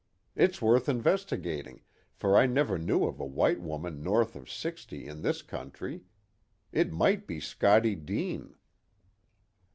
"It's worth investigating, for I never knew of a white woman north of sixty in this country. It might be Scottie Deane."